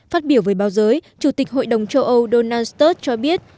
phát biểu với báo giới chủ tịch hội đồng châu âu donald sturg cho biết